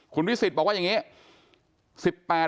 คุณพิสิทธิ์บอกว่าอย่างนี้